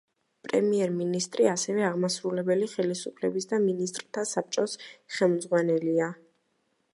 პრემიერ-მინისტრი ასევე აღმასრულებელი ხელისუფლების და მინისტრთა საბჭოს ხელმძღვანელია.